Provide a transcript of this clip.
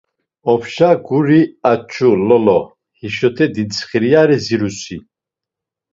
Opşa guri aç̌u Lolo hişote dintsxiryari zirusi.